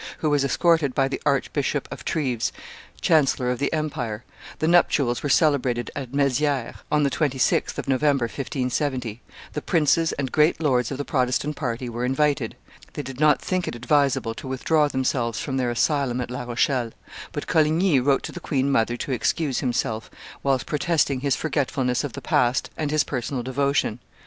who was escorted by the Archbishop of Treves, chancellor of the empire; the nuptials were celebrated at Mezieres, on the 26th of November, 1570; the princes and great lords of the Protestant party were invited; they did not think it advisable to withdraw themselves from their asylum at La Rochelle; but Coligny wrote to the queen mother to excuse himself, whilst protesting his forgetfulness of the past and his personal devotion.